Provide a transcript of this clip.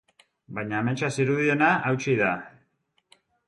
Baina ametsa zirudiena hautsi da.